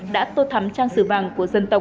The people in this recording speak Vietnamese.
đã tô thắm trang sử vàng